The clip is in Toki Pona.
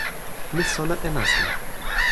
mi sona e nasin.